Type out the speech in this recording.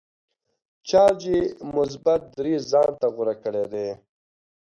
چارج یې مثبت درې ځانته غوره کړی دی.